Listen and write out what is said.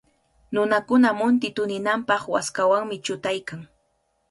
Nunakuna munti tuninanpaq waskawanmi chutaykan.